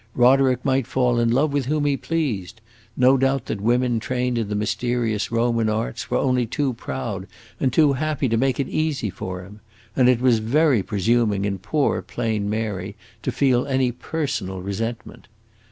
Roderick might fall in love with whom he pleased; no doubt that women trained in the mysterious Roman arts were only too proud and too happy to make it easy for him; and it was very presuming in poor, plain Mary to feel any personal resentment.